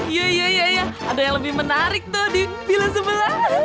iya iya iya iya ada yang lebih menarik tuh di bila sebelah